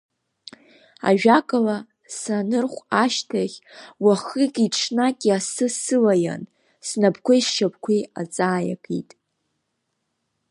Ажәакала, санырхә ашьҭахь, уахыки-ҽнаки асы сылаиан, снапқәеи сшьапқәеи аҵаа иакит.